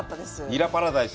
にらパラダイス。